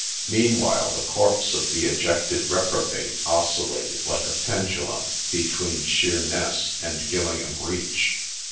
Meanwhile the corpse of the ejected reprobate oscillated like a pendulum between Sheerness and Gillingham Reach.